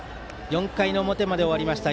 ４回の表まで終わりました